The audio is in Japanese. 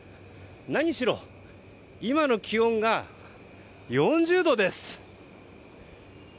何しろ、今の気温が４０度です。